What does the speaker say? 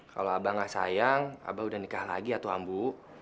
kalau aba gak sayang aba udah nikah lagi ya tuh ambu